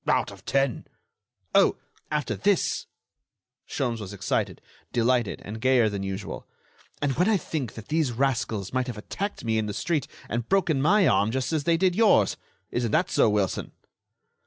"Out of ten." "Oh! after this——" Sholmes was excited, delighted, and gayer than usual. "And when I think that these rascals might have attacked me in the street and broken my arm just as they did yours! Isn't that so, Wilson?"